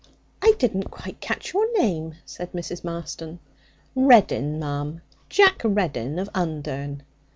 I didn't quite catch your name,' said Mrs. Marston. 'Reddin, ma'am. Jack Reddin of Undern.'